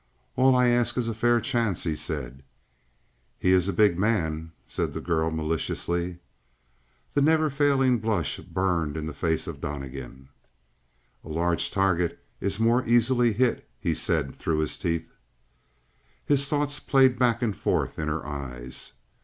"All I ask is a fair chance," he said. "He is a big man," said the girl maliciously. The never failing blush burned in the face of Donnegan. "A large target is more easily hit," he said through his teeth. Her thoughts played back and forth in her eyes.